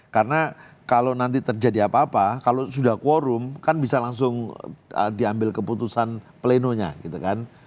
karena kalau nanti terjadi apa apa kalau sudah quorum kan bisa langsung diambil keputusan plenonya gitu kan